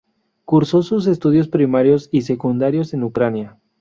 Cursó sus estudios primarios y secundarios en Ucrania.